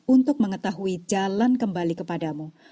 untuk mengetahui jalan kembali kepadamu